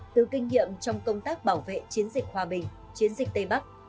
từ kinh nghiệm trong công tác bảo vệ chiến dịch hòa bình chiến dịch tây bắc